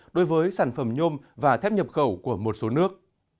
đối với sản phẩm nhôm và thép nhập khẩu của một số nước